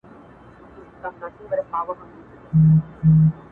چی هري درې ته پورته سو